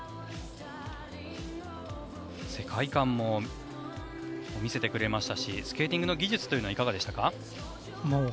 世界観も見せてくれましたしスケーティングの技術というのはいかがでしたか。